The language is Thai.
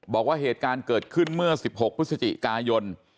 บอกว่าเหตุการณ์เกิดขึ้นเมื่อ๑๖พฤศจิกายน